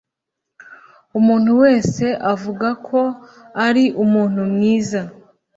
Umuntu wese avuga ko ari umuntu mwiza